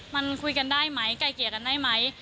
มันคุยกันได้ไหมไกลเกลี่ยกันได้ไหม